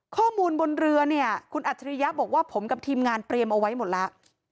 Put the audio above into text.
ข้อมูลบนเรือเนี่ยคุณอัจฉริยะบอกว่าผมกับทีมงานเตรียมเอาไว้หมดแล้ว